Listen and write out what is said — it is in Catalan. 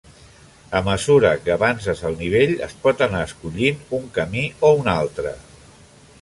A mesura que avances el nivell es pot anar escollint un camí o un altre.